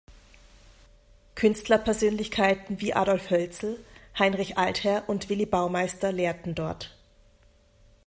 Künstlerpersönlichkeiten wie Adolf Hölzel, Heinrich Altherr und Willi Baumeister lehrten dort.